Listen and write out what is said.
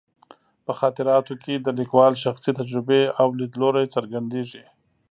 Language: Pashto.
په خاطراتو کې د لیکوال شخصي تجربې او لیدلوري څرګندېږي.